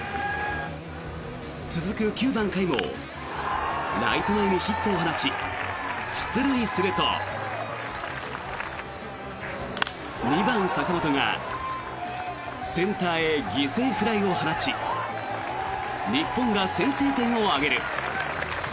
続く９番、甲斐もライト前にヒットを放ち出塁すると２番、坂本がセンターへ犠牲フライを放ち日本が先制点を挙げる。